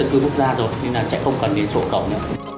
để giúp em có cách chọn